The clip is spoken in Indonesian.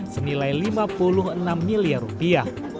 senilai lima puluh enam miliar rupiah